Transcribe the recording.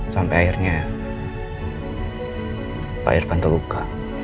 sampai akhirnya pak irfan terluka